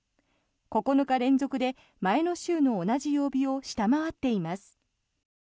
９日連続で前の週の同じ曜日を下回っています。